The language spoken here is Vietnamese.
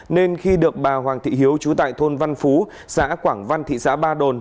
nên khi được bà hoàng thị hiếu trú tại thôn văn phú xã quảng văn thị xã ba đồn